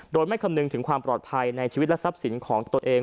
โดยไม่คำนึงถึงความปลอดภัยในชีวิตและทรัพย์สินของตัวเอง